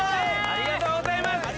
ありがとうございます！